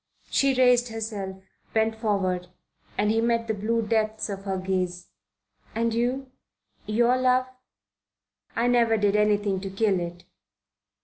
She raised herself, bent forward, and he met the blue depths of her gaze. "And you? Your love?" "I never did anything to kill it."